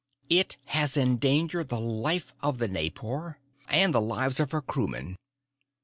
It has endangered the life of the Naipor and the lives of her crewmen.